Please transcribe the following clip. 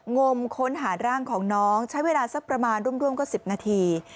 งมค้นหาร่างของน้องใช้เวลาสักประมาณร่วมก็๑๐นาที